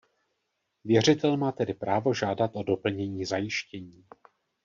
Věřitel má tedy právo žádat o doplnění zajištění.